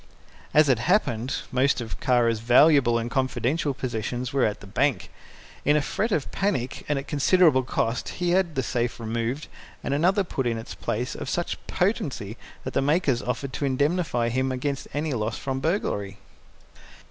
As it happened, most of Kara's valuable and confidential possessions were at the bank. In a fret of panic and at considerable cost he had the safe removed and another put in its place of such potency that the makers offered to indemnify him against any loss from burglary.